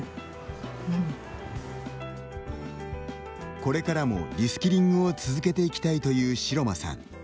これからも、リスキリングを続けていきたいという城間さん。